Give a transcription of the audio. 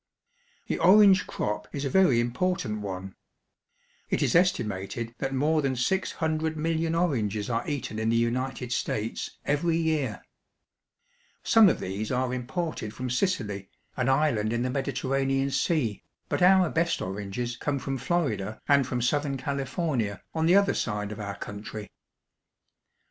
The orange crop is a very important one. It is esti mated that more than six hundred million oranges are TO THE MOUTH OF THE MISSISSIPPI. 1 35 eaten in the United States every year. Some of these are imported from Sicily, an island in the Mediterranean Sea; but our best oranges come from Florida, and from south ern California, on the other side of our country.